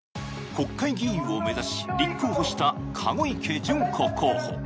国会議員を目指し立候補した籠池諄子候補。